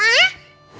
aku nanya kak dan rena